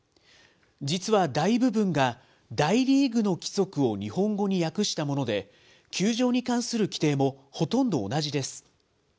実は大部分が、大リーグの規則を日本語に訳したもので、球場に関する規定もほとんど同じです。